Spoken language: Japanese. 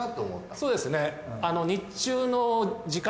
そうですね。